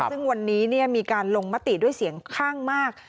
ซึ่งวันนี้มีการลงมติด้วยเสียงข้างมาก